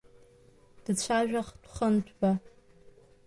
Дцәажәахт Хынҭәба.